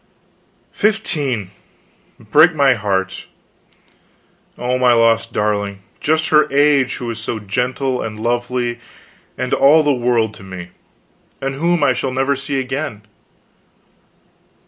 Fifteen! Break my heart! oh, my lost darling! Just her age who was so gentle, and lovely, and all the world to me, and whom I shall never see again!